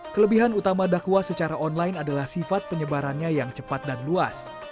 kelebihan utama dakwah secara online adalah sifat penyebarannya yang cepat dan luas